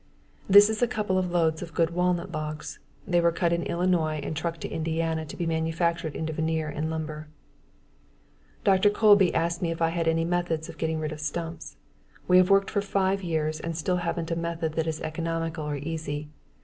This is a couple of loads of good walnut logs. They were cut in Illinois and trucked to Indiana to be manufactured into veneer and lumber. Dr. Colby has asked me if I had any methods of getting rid of stumps. We have worked for five years and we still haven't a method that is economical or easy.